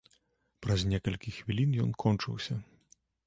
Праз некалькі хвілін ён кончыўся.